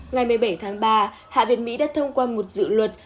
ngày một mươi bảy tháng ba hạ viện mỹ đã thông qua một dự luật